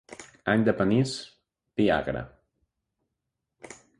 Any de panís, vi agre.